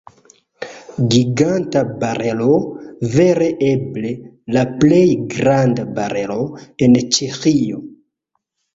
Giganta barelo, vere eble la plej granda barelo en Ĉeĥio.